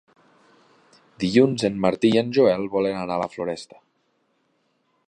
Dilluns en Martí i en Joel volen anar a la Floresta.